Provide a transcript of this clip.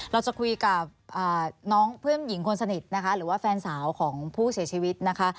เราจะคุยกับน้องเพื่อนหญิงคนสนิทนะคะหรือว่าแฟนสาวของผู้เสียชีวิตนะคะ